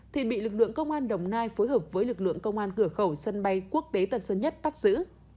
thì bị lực lượng công an đồng nai phối hợp với lực lượng công an cửa khẩu sân bay quốc tế tân sơn nhất bắt giữ